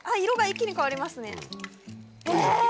色が一気に変わりますねえ！